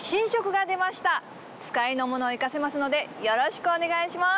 使いの者を行かせますのでよろしくお願いします。